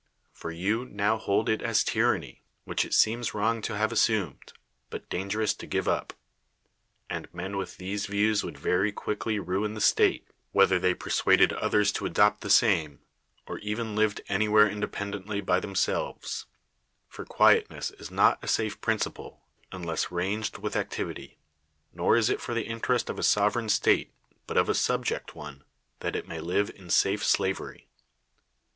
For you now hold it as a tyranny, which it seems W'rong to have assumed, but dangerous to give up. And men with these views would very quickly ruin the state, whether they persuaded others [to adopt the same], or even lived anywhere inde pendently by themselves; for quietness is not a safe principle, unless ranged with activity; nor is it for the interest of a sovereign state, but of a subject one, that it niny live in safe slavery.